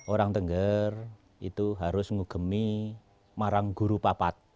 orang tengger itu harus mengugemi marang guru papat